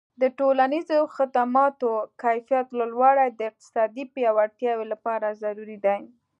د ټولنیزو خدماتو کیفیت لوړول د اقتصادي پیاوړتیا لپاره ضروري دي.